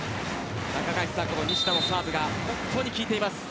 中垣内さん、西田のサーブが本当に効いています。